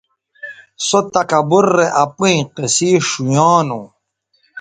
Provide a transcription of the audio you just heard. سُوہ تکبُر رے اپئیں قصے ݜؤیانوں